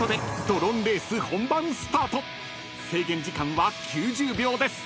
［制限時間は９０秒です］